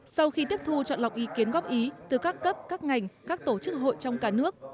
sau khi tiếp thu chọn lọc ý kiến góp ý từ các cấp các ngành các tổ chức hội trong cả nước